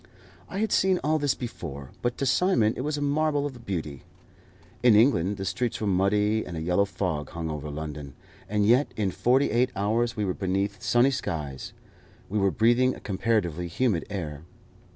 I had seen all this before, but to Simon it was a marvel of beauty. In England the streets were muddy, and a yellow fog hung over London, and yet in forty eight hours we were beneath sunny skies, we were breathing a comparatively humid air.